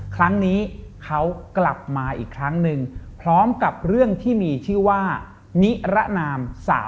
ครั้งนี้เขากลับมาอีกครั้งหนึ่งพร้อมกับเรื่องที่มีชื่อว่านิรนาม๓